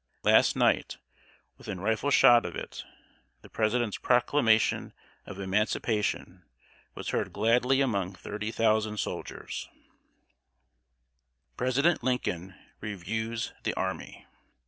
Last night, within rifle shot of it, the President's Proclamation of Emancipation was heard gladly among thirty thousand soldiers. [Sidenote: PRESIDENT LINCOLN REVIEWS THE ARMY.